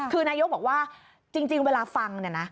คือนายกบอกว่าจริงเวลาฟังเนี่ยนะ